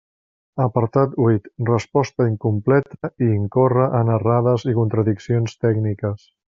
Apartat huit: resposta incompleta i incorre en errades i contradiccions tècniques.